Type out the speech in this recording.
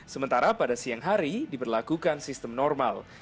sementara pada siang hari diberlakukan sistem normal